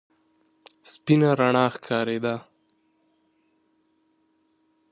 سپينه رڼا ښکارېده.